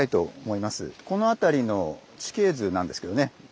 この辺りの地形図なんですけどね。